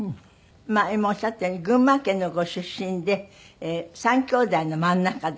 今おっしゃったように群馬県のご出身で３きょうだいの真ん中で。